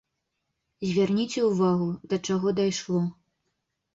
Звярніце ўвагу да чаго дайшло.